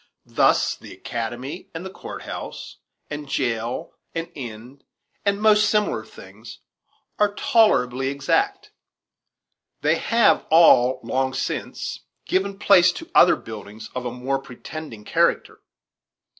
Thus the academy, and court house, and jail, and inn, and most similar things, are tolerably exact. They have all, long since, given place to other buildings of a more pretending character.